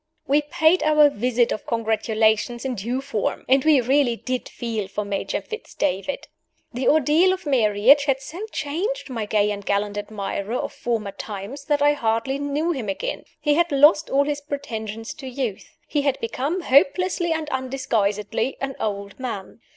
We paid our visit of congratulation in due form; and we really did feel for Major Fitz David. The ordeal of marriage had so changed my gay and gallant admirer of former times that I hardly knew him again. He had lost all his pretensions to youth: he had become, hopelessly and undisguisedly, an old man.